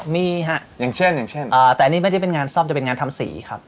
มีฮะแต่เนี่ย้อไม่ได้เป็นงานซอฟต์จะเป็นงานทำสีครับ